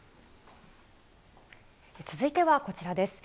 続いてはこちらです。